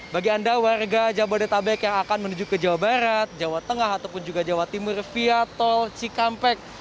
bagi anda warga jabodetabek yang akan menuju ke jawa barat jawa tengah ataupun juga jawa timur via tol cikampek